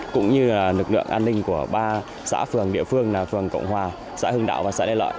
cũng như lực lượng an ninh của ba xã phường địa phương là phường cộng hòa xã hưng đạo và xã lê lợi